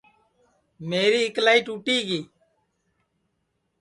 میری اِکلائی ٹُوٹی گی